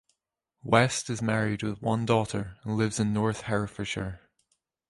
West is married with one daughter and lives in North Hertfordshire.